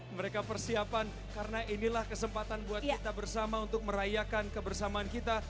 mereka persiapan karena inilah kesempatan buat kita bersama untuk merayakan kebersamaan kita